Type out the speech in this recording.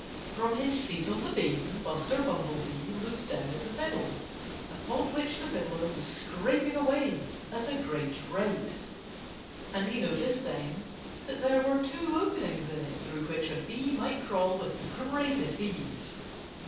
From his seat on the beam Buster Bumblebee looked down at the fiddle, upon which the fiddler was scraping away at a great rate; and he noticed then that there were two openings in it through which a bee might crawl with the greatest ease.